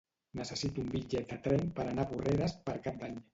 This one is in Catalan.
Necessito un bitllet de tren per anar a Porreres per Cap d'Any.